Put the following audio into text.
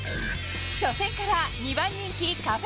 初戦から２番人気、カフェ